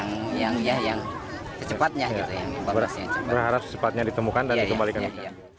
kondisinya yang kecepatnya ditemukan dan dikembalikan